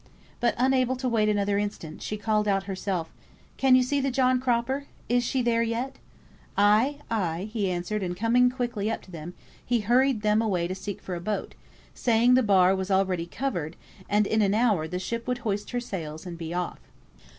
But unable to wait another instant she called out herself, "Can you see the John Cropper? Is she there yet?" "Ay, ay," he answered, and coming quickly up to them, he hurried them away to seek for a boat, saying the bar was already covered, and in an hour the ship would hoist her sails and be off.